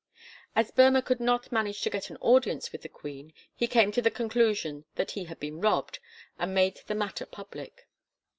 As Boemer could not manage to get an audience with the queen he came to the conclusion that he had been robbed, and made the matter public.